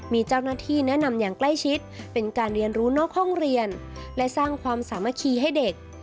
มีเจ้าหน้าที่แนะนำอย่างใกล้ชิดเป็นการเรียนรู้นอกห้องเรียนและสร้างความสามัคคีให้เด็ก